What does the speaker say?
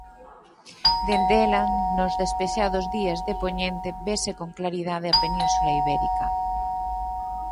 Dende ela nos despexados días de poñente vese con claridade a Península Ibérica.